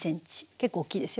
結構大きいですよ。